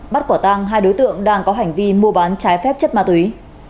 bắt quả tang hai đối tượng đang có hành vi mua bán trái phép chất ma túy